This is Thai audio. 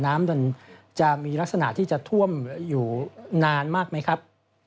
น้ำมันจะมีลักษณะที่จะท่วมอยู่นานมากไหมครับ